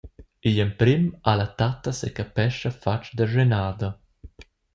Igl emprem ha la tatta secapescha fatg da schenada.